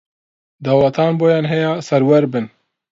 دەوڵەتان بۆیان ھەیە سەروەر بن